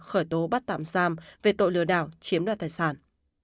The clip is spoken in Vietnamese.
khởi tố bắt tạm giam về tội lừa đảo chiếm đoạt tài sản